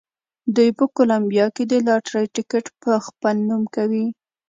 دوی په کولمبیا کې د لاټرۍ ټکټ په خپل نوم کوي.